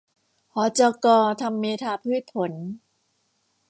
หจก.ธรรมเมธาพืชผล